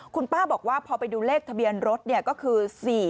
คุณป้าบอกว่าพอไปดูเลขทะเบียนรถก็คือ๔๔